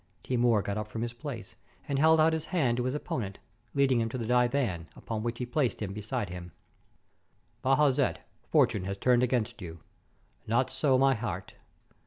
Timur got up from his place, and held out his hand to his opponent, leading him to the divan, upon which he placed him beside him. "Bajazet, fortune has turned against you. Not so my heart!